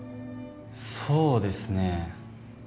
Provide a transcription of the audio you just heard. そうですね。